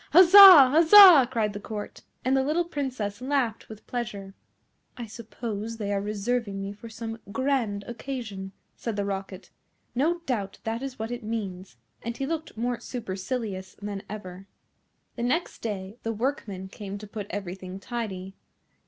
Huzza! Huzza! cried the Court; and the little Princess laughed with pleasure. "I suppose they are reserving me for some grand occasion," said the Rocket; "no doubt that is what it means," and he looked more supercilious than ever. [Illustration: "LET THE FIREWORKS BEGIN," SAID THE KING] The next day the workmen came to put everything tidy.